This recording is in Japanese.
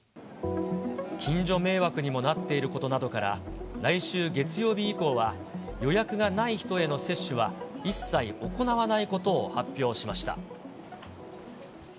近所迷惑にもなっていることから、来週月曜日以降は、予約がない人への接種は一切行わないことを発表しました。